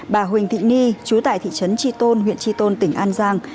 bà huỳnh thị nhi trú tại thị trấn tri tôn huyện tri tôn tỉnh an giang